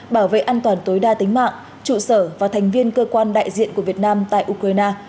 bảo vệ an toàn tối đa tính mạng trụ sở và thành viên cơ quan đại diện của việt nam tại ukraine